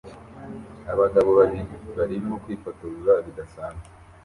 Abagabo babiri barimo kwifotoza bidasanzwe